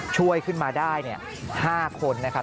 ช่วยขึ้นมาได้๕คนนะครับ